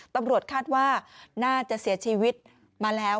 ตำรวจคาดว่าน่าจะเสียชีวิตมาแล้ว